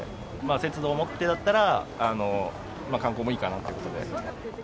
節度を持ってだったら、観光もいいかなってことで。